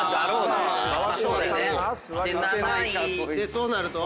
そうなると？